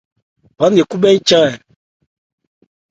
Bán nne khúbhɛ́ ɛ chan ɛ ?